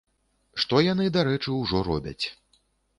Што яны, дарэчы, ужо робяць.